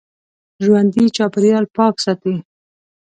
ژوندي چاپېریال پاک ساتي